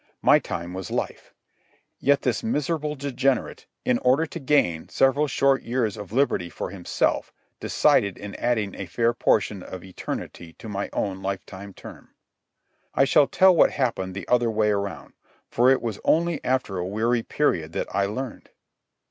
My time was life. Yet this miserable degenerate, in order to gain several short years of liberty for himself, succeeded in adding a fair portion of eternity to my own lifetime term. I shall tell what happened the other way around, for it was only after a weary period that I learned.